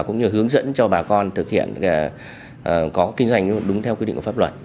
cũng như hướng dẫn cho bà con thực hiện có kinh doanh đúng theo quy định của pháp luật